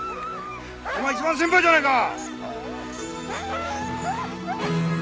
お前いちばん先輩じゃないか！